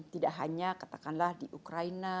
tidak hanya katakanlah di ukraina